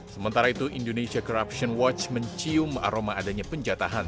sementara itu indonesia corruption watch mencium aroma adanya penjatahan